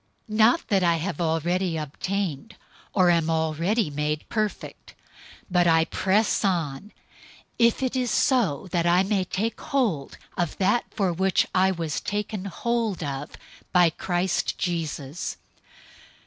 003:012 Not that I have already obtained, or am already made perfect; but I press on, if it is so that I may take hold of that for which also I was taken hold of by Christ Jesus.